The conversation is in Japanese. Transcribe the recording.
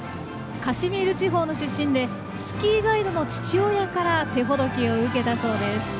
カシミール地方の出身でスキーガイドの父親から手ほどきを受けたそうです。